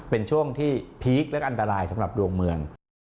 เป็นช่วงที่พีคและอันตรายสำหรับดวงเมือง